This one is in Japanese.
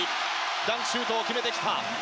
ダンクシュートを決めてきた。